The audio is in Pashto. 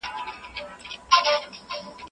تعليم د ټول عمر له پاره وي.